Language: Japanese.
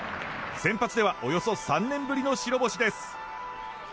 先発ではおよそ３年ぶりの白星です。